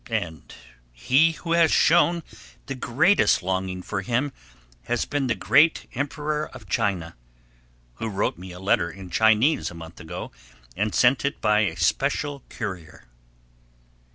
And he who has shown the greatest longing for him has been the great Emperor of China, who wrote me a letter in Chinese a month ago and sent it by a special courier.